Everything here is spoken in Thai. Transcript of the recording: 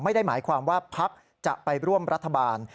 ไม่ได้หมายความว่าพักจะไปร่วมรัฐบาล